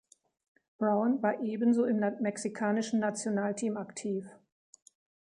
Brown war ebenso im mexikanischen Nationalteam aktiv.